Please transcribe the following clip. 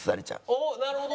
おっなるほど。